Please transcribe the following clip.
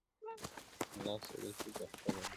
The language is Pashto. مُلا سړی سو په خپل وعظ کي نجلۍ ته ويل.